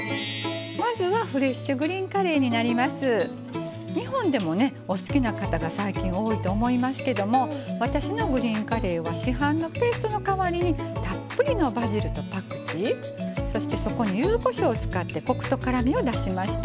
まずは日本でもお好きな方が最近多いと思いますけども私のグリーンカレーは市販のペーストの代わりにたっぷりのバジルとパクチーそしてそこにゆずこしょうを使ってコクと辛みを出しました。